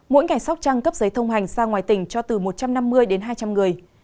mỗi ngày sóc trăng cấp giấy thông hành ra ngoài tỉnh cho từ một trăm năm mươi đến hai trăm linh người